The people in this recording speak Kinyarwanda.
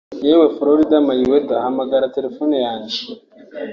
yewe FlolydMayweather hamagara telephone yanjye